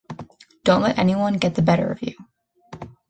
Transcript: Don’t let anyone get the better of you.